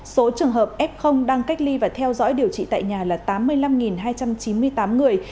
số trường hợp f đang cách ly và theo dõi điều trị tại nhà là tám mươi năm hai trăm chín mươi tám người